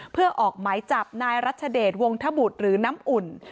เพื่อออกหมายจับนายรัชเดชวงธบุตรหรือน้ำอุ่น